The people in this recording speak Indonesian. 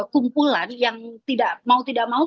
kumpulan yang tidak mau